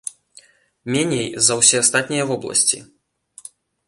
Меней, за ўсе астатнія вобласці!